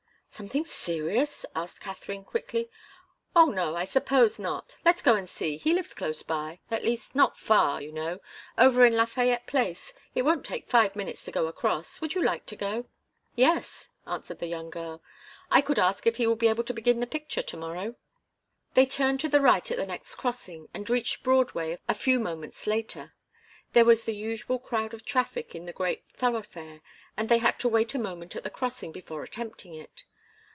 "Something serious?" asked Katharine, quickly. "Oh, no I suppose not. Let's go and see. He lives close by at least, not far, you know, over in Lafayette Place. It won't take five minutes to go across. Would you like to go?" "Yes," answered the young girl. "I could ask if he will be able to begin the picture to morrow." They turned to the right at the next crossing and reached Broadway a few moments later. There was the usual crowd of traffic in the great thoroughfare, and they had to wait a moment at the crossing before attempting it.